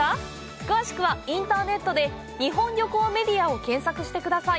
詳しくは、インターネットで「日本旅行メディア」を検索してください。